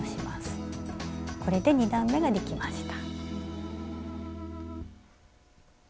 これで２段めができました。